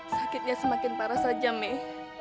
sakitnya semakin parah saja mei